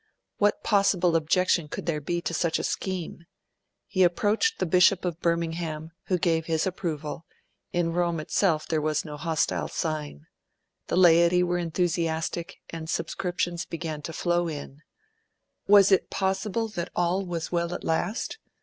What possible objection could there be to such a scheme? He approached the Bishop of Birmingham, who gave his approval; in Rome itself there was no hostile sign. The laity were enthusiastic and subscriptions began to flow in. Was it possible that all was well at last?